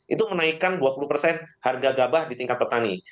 itu menaikkan dua puluh harga gabah di tingkat petani